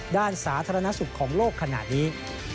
ด้านสาธารณสุขของโลกขนาดนี้